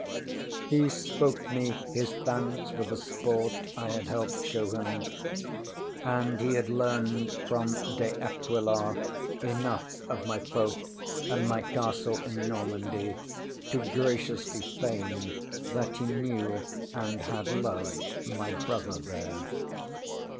ŌĆśHe spoke me his thanks for the sport I had helped show him, and he had learned from De Aquila enough of my folk and my castle in Normandy to graciously feign that he knew and had loved my brother there.